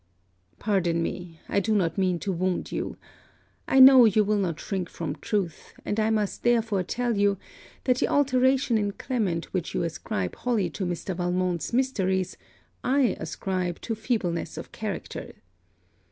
Pardon me, I do not mean to wound you. I know you will not shrink from truth; and I must therefore tell you, that the alteration in Clement which you ascribe wholly to Mr. Valmont's mysteries I ascribe to feebleness of character.